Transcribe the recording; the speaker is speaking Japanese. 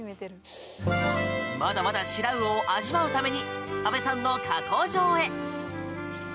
まだまだシラウオを味わうために安部さんの加工場へ。